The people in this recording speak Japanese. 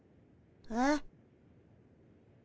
えっ？